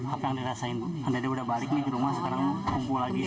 apa yang dirasakan anda sudah balik ke rumah sekarang umpuh lagi